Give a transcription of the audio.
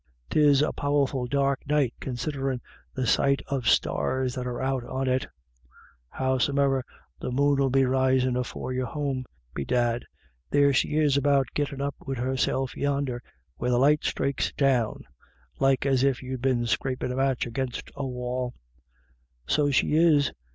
Tis a powerful dark night, considerin* the sight of stars that are out on it; howsome'er the moon '11 be risin' afore you're home, Bedad, there she is about gittin* up wid herself yonder, where the light sthrake's showing like as if you'd been scrapin' a match agin a wall." "So she is.